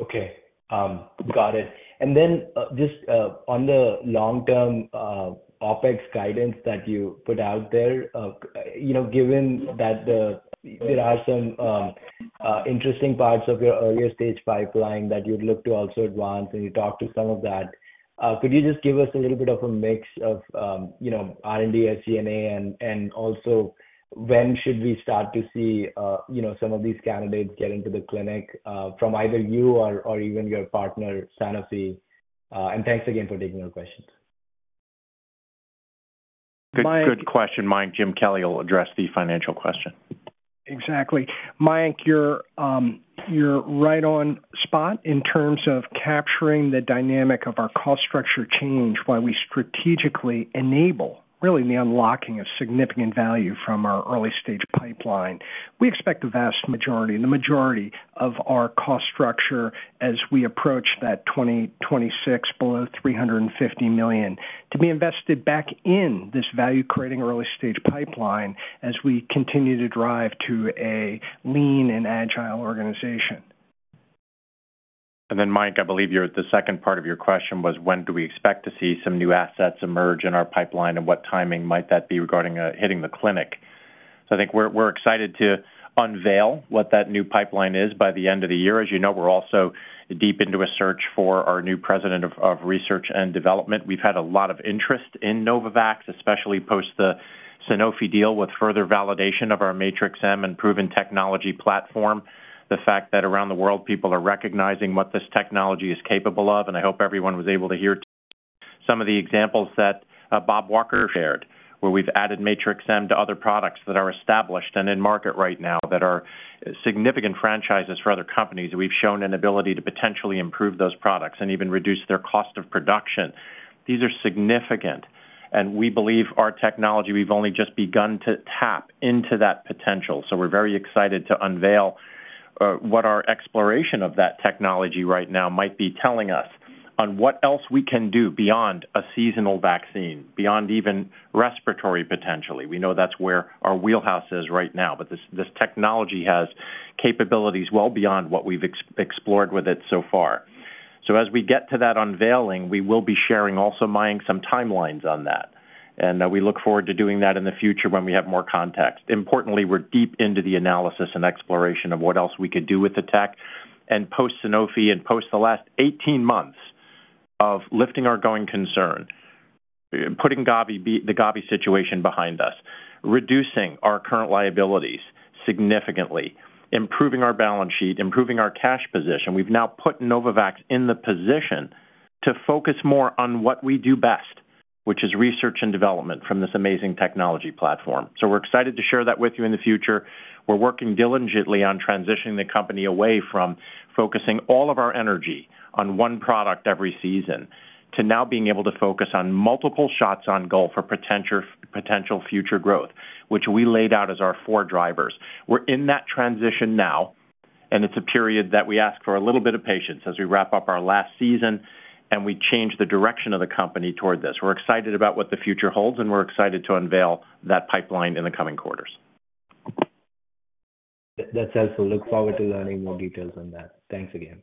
Okay. Got it. And then, just, on the long-term, OpEx guidance that you put out there, you know, given that, there are some, interesting parts of your earlier stage pipeline that you'd look to also advance, and you talked to some of that, could you just give us a little bit of a mix of, you know, R&D and SG&A, and, and also, when should we start to see, you know, some of these candidates get into the clinic, from either you or, or even your partner, Sanofi? And thanks again for taking our questions. Good, good question, Mayank. Jim Kelly will address the financial question. Exactly. Mayank, you're, you're right on spot in terms of capturing the dynamic of our cost structure change, while we strategically enable, really, the unlocking of significant value from our early-stage pipeline. We expect the vast majority and the majority of our cost structure as we approach that 2026 below $350 million, to be invested back in this value-creating early-stage pipeline as we continue to drive to a lean and agile organization. And then, Mayank, I believe you're the second part of your question was, when do we expect to see some new assets emerge in our pipeline, and what timing might that be regarding hitting the clinic? So I think we're, we're excited to unveil what that new pipeline is by the end of the year. As you know, we're also deep into a search for our new president of research and development. We've had a lot of interest in Novavax, especially post the Sanofi deal with further validation of our Matrix-M and proven technology platform, the fact that around the world, people are recognizing what this technology is capable of, And I hope everyone was able to hear some of the examples that Bob Walker shared, where we've added Matrix-M to other products that are established and in market right now that are significant franchises for other companies. We've shown an ability to potentially improve those products and even reduce their cost of production. These are significant, and we believe our technology, we've only just begun to tap into that potential. So we're very excited to unveil what our exploration of that technology right now might be telling us on what else we can do beyond a seasonal vaccine, beyond even respiratory, potentially. We know that's where our wheelhouse is right now, but this, this technology has capabilities well beyond what we've explored with it so far. So as we get to that unveiling, we will be sharing, also mining some timelines on that. And, we look forward to doing that in the future when we have more context. Importantly, we're deep into the analysis and exploration of what else we could do with the tech. And post-Sanofi and post the last 18 months of lifting our going concern, putting the Gavi situation behind us, reducing our current liabilities significantly, improving our balance sheet, improving our cash position. We've now put Novavax in the position to focus more on what we do best, which is research and development from this amazing technology platform. So we're excited to share that with you in the future. We're working diligently on transitioning the company away from focusing all of our energy on one product every season, to now being able to focus on multiple shots on goal for potential future growth, which we laid out as our four drivers. We're in that transition now, and it's a period that we ask for a little bit of patience as we wrap up our last season and we change the direction of the company toward this. We're excited about what the future holds, and we're excited to unveil that pipeline in the coming quarters. That's helpful. Look forward to learning more details on that. Thanks again.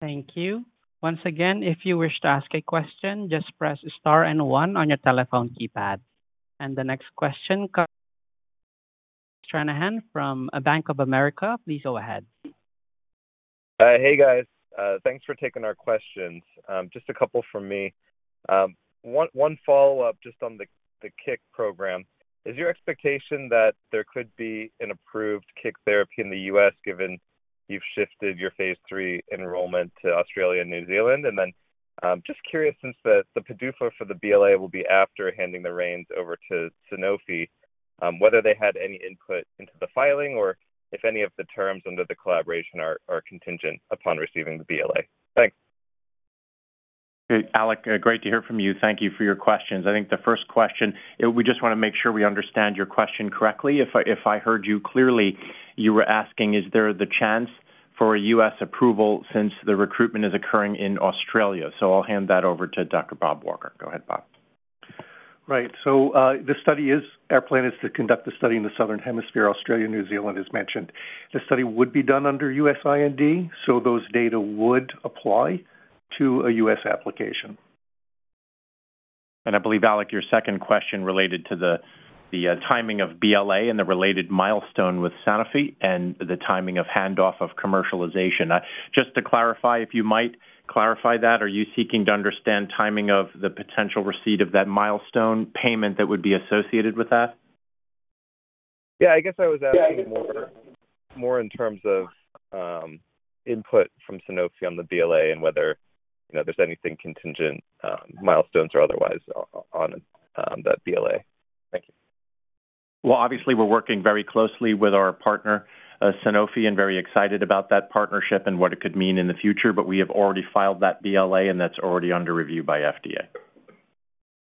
Thank you. Once again, if you wish to ask a question, just press star and one on your telephone keypad. And the next question, Alec Stranahan from Bank of America. Please go ahead. Hey, guys. Thanks for taking our questions. Just a couple from me. One, one follow-up just on the, the Kick program. Is your expectation that there could be an approved Kick therapy in the U.S., given you've shifted your phase three enrollment to Australia and New Zealand? And then, just curious, since the PDUFA for the BLA will be after handing the reins over to Sanofi, whether they had any input into the filing or if any of the terms under the collaboration are, are contingent upon receiving the BLA. Thanks. Alec, great to hear from you. Thank you for your questions. I think the first question, we just want to make sure we understand your question correctly. If I, if I heard you clearly, you were asking, is there the chance for a U.S. approval since the recruitment is occurring in Australia? So I'll hand that over to Dr. Bob Walker. Go ahead, Bob. Right. So, our plan is to conduct the study in the Southern Hemisphere, Australia, New Zealand, as mentioned. The study would be done under U.S. IND, so those data would apply to a U.S. application. I believe, Alec, your second question related to the timing of BLA and the related milestone with Sanofi and the timing of handoff of commercialization. Just to clarify, if you might clarify that, are you seeking to understand timing of the potential receipt of that milestone payment that would be associated with that? Yeah, I guess I was asking more, more in terms of input from Sanofi on the BLA and whether, you know, there's anything contingent, milestones or otherwise on that BLA. Thank you. Well, obviously, we're working very closely with our partner, Sanofi, and very excited about that partnership and what it could mean in the future. But we have already filed that BLA, and that's already under review by FDA.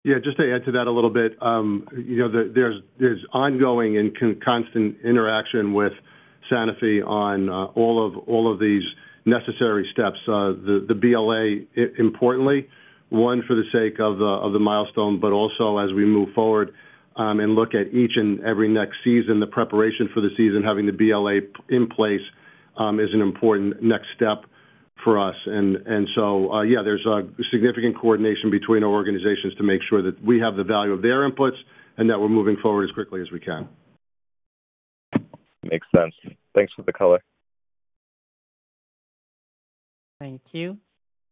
Yeah, just to add to that a little bit, you know, there's ongoing and constant interaction with Sanofi on all of these necessary steps. The BLA, importantly, one, for the sake of the milestone, but also as we move forward, and look at each and every next season, the preparation for the season, having the BLA in place, is an important next step for us. And so, yeah, there's a significant coordination between our organizations to make sure that we have the value of their inputs and that we're moving forward as quickly as we can. Makes sense. Thanks for the color. Thank you.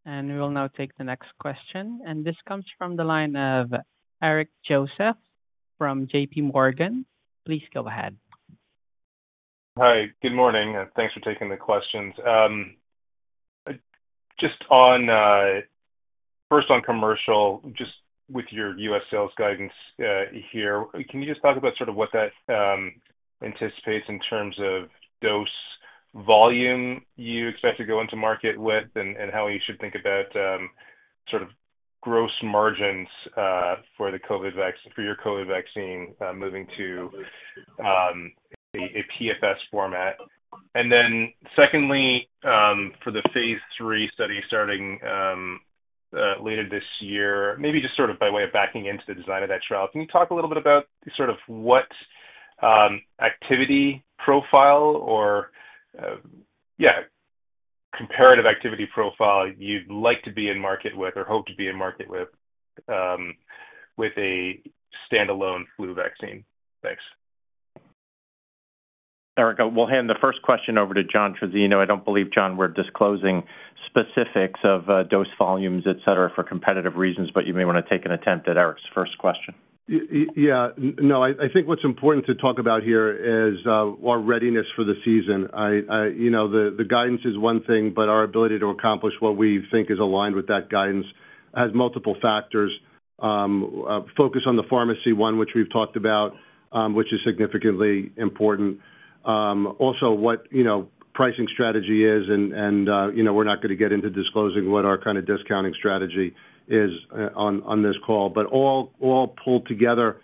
We will now take the next question, and this comes from the line of Eric Joseph from J.P. Morgan. Please go ahead. Hi, good morning, and thanks for taking the questions. Just on first on commercial, just with your U.S. sales guidance here, can you just talk about sort of what that anticipates in terms of dose volume you expect to go into market with, and how you should think about sort of gross margins for your COVID vaccine moving to a PFS format? Then secondly, for the phase three study starting later this year, maybe just sort of by way of backing into the design of that trial, can you talk a little bit about sort of what activity profile or yeah, comparative activity profile you'd like to be in market with or hope to be in market with a standalone flu vaccine? Thanks. Eric, we'll hand the first question over to John Trizzino. I don't believe, John, we're disclosing specifics of dose volumes, et cetera, for competitive reasons, but you may want to take an attempt at Eric's first question. Yeah. No, I think what's important to talk about here is our readiness for the season. You know, the guidance is one thing, but our ability to accomplish what we think is aligned with that guidance has multiple factors. Focus on the pharmacy one, which we've talked about, which is significantly important. Also, you know, pricing strategy is, and you know, we're not going to get into disclosing what our kind of discounting strategy is on this call. But all pulled together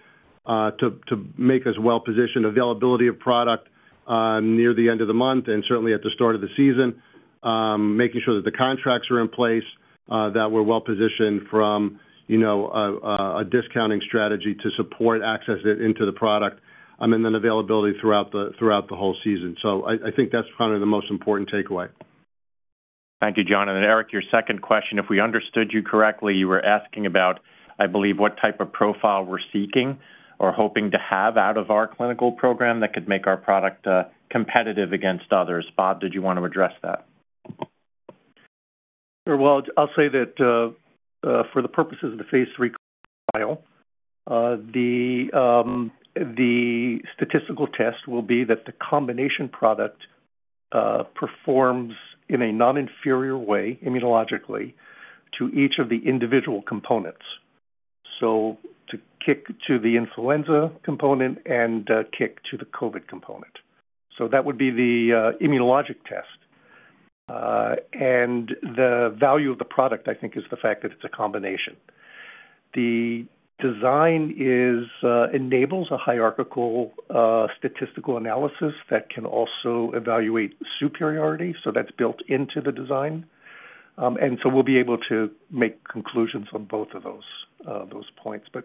to make us well-positioned. Availability of product near the end of the month and certainly at the start of the season. Making sure that the contracts are in place, that we're well-positioned from, you know, a discounting strategy to support access into the product, and then availability throughout the whole season. So I think that's kind of the most important takeaway. Thank you, John. And then, Eric, your second question, if we understood you correctly, you were asking about, I believe, what type of profile we're seeking or hoping to have out of our clinical program that could make our product competitive against others. Bob, did you want to address that? Well, I'll say that, for the purposes of the phase three trial, the statistical test will be that the combination product performs in a non-inferior way, immunologically, to each of the individual components. So to kick to the influenza component and kick to the COVID component. So that would be the immunologic test. And the value of the product, I think, is the fact that it's a combination. The design is enables a hierarchical statistical analysis that can also evaluate superiority, so that's built into the design. And so we'll be able to make conclusions on both of those those points. But,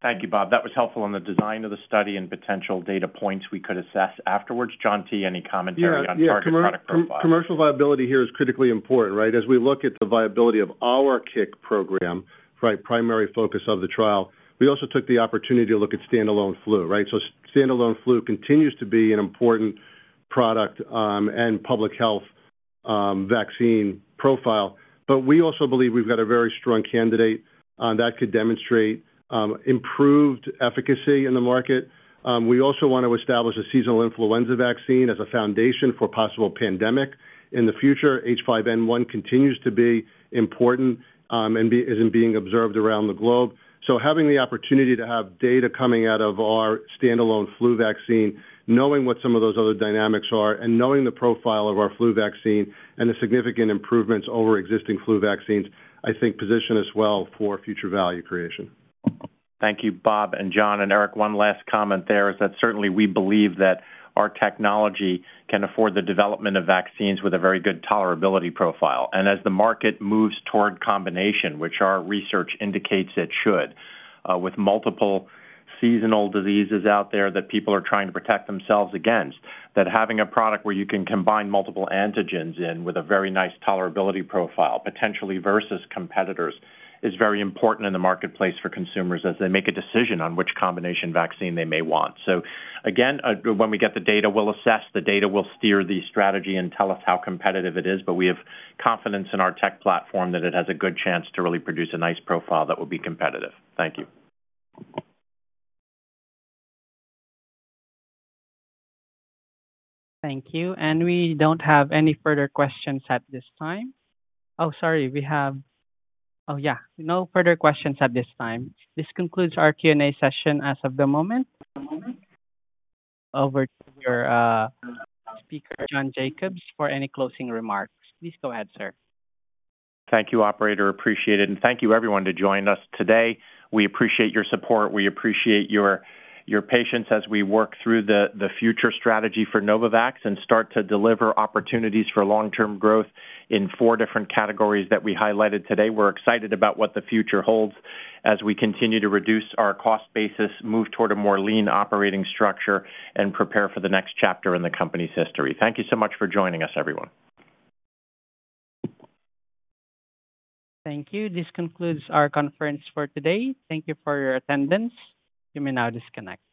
Thank you, Bob. That was helpful on the design of the study and potential data points we could assess afterwards. John T., any commentary on target product profile? Yeah. Yeah, commercial, commercial viability here is critically important, right? As we look at the viability of our Kick program, right, primary focus of the trial, we also took the opportunity to look at standalone flu, right? So standalone flu continues to be an important product, and public health, vaccine profile. But we also believe we've got a very strong candidate, that could demonstrate, improved efficacy in the market. We also want to establish a seasonal influenza vaccine as a foundation for possible pandemic in the future. H5N1 continues to be important, and being observed around the globe. Having the opportunity to have data coming out of our standalone flu vaccine, knowing what some of those other dynamics are, and knowing the profile of our flu vaccine and the significant improvements over existing flu vaccines, I think, position us well for future value creation. Thank you, Bob and John. And Eric, one last comment there is that certainly we believe that our technology can afford the development of vaccines with a very good tolerability profile. And as the market moves toward combination, which our research indicates it should, with multiple seasonal diseases out there that people are trying to protect themselves against, that having a product where you can combine multiple antigens in with a very nice tolerability profile, potentially versus competitors, is very important in the marketplace for consumers as they make a decision on which combination vaccine they may want. So again, when we get the data, we'll assess the data, we'll steer the strategy and tell us how competitive it is. But we have confidence in our tech platform that it has a good chance to really produce a nice profile that will be competitive. Thank you. Thank you. We don't have any further questions at this time. Oh, yeah, no further questions at this time. This concludes our Q&A session as of the moment. Over to your speaker, John Jacobs, for any closing remarks. Please go ahead, sir. Thank you, operator. Appreciate it, and thank you everyone to join us today. We appreciate your support. We appreciate your patience as we work through the future strategy for Novavax and start to deliver opportunities for long-term growth in four different categories that we highlighted today. We're excited about what the future holds as we continue to reduce our cost basis, move toward a more lean operating structure, and prepare for the next chapter in the company's history. Thank you so much for joining us, everyone. Thank you. This concludes our conference for today. Thank you for your attendance. You may now disconnect.